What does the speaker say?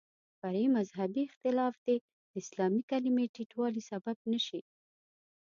فرعي مذهبي اختلاف دې د اسلامي کلمې ټیټوالي سبب نه شي.